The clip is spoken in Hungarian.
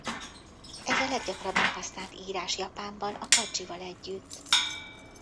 Ez a leggyakrabban használt írás Japánban a kandzsival együtt.